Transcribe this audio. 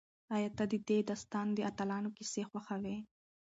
ایا ته د دې داستان د اتلانو کیسې خوښوې؟